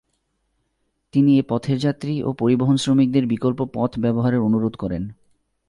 তিনি এ পথের যাত্রী ও পরিবহনশ্রমিকদের বিকল্প পথ ব্যবহারের অনুরোধ করেন।